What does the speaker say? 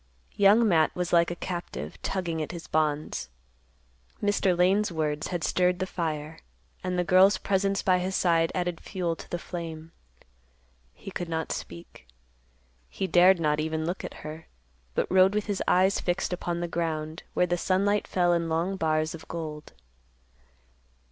Young Matt was like a captive, tugging at his bonds. Mr. Lane's words had stirred the fire, and the girl's presence by his side added fuel to the flame. He could not speak. He dared not even look at her, but rode with his eyes fixed upon the ground, where the sunlight fell in long bars of gold.